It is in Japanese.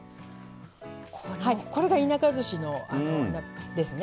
はいこれが田舎ずしですね。